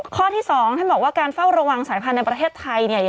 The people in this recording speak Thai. ข้อที่๒อย่างที่บอกว่าการเฝ้าระวังสายพันธุ์ในประเทศไทย